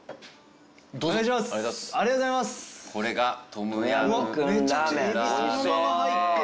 これがトムヤムクンラーメン！